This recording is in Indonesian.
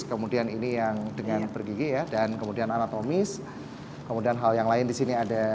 kemudian ini yang dengan bergigi ya dan kemudian anatomis kemudian hal yang lain di sini ada